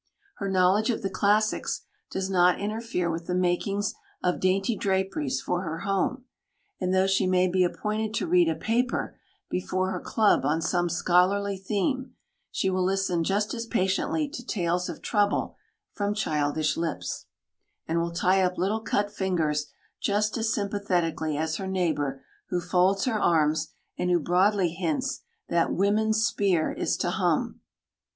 Her knowledge of the classics does not interfere with the making of dainty draperies for her home, and though she may be appointed to read a paper before her club on some scholarly theme, she will listen just as patiently to tales of trouble from childish lips, and will tie up little cut fingers just as sympathetically as her neighbour who folds her arms and who broadly hints that "wimmen's spear is to hum!"